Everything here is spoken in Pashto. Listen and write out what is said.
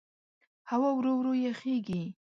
هوا ورو ورو یخېږي.